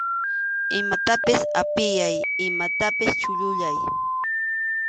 Imatapas apiyay, imatapas chulluyay.